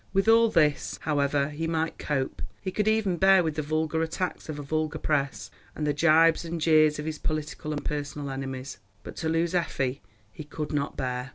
With all this, however, he might cope; he could even bear with the vulgar attacks of a vulgar press, and the gibes and jeers of his political and personal enemies, but to lose Effie he could not bear.